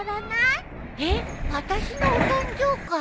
えっあたしのお誕生会？